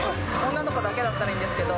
女の子だけだったらいいんですけど。